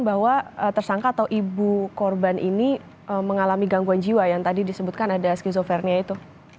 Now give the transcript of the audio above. bahwa tersangka atau ibu korban ini mengalami gangguan jiwa yang tadi disebutkan ada schizofrenia itu